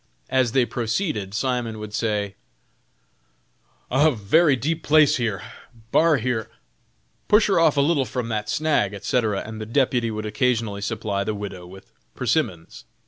As they proceeded Simon would say, "A very deep place here;" "bar here;" "push her off a little from that snag," etc., and the deputy would occasionally supply the widow with persimmons.